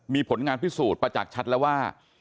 มีผลงานพิสูจน์ประจักษ์ชัดแล้วว่า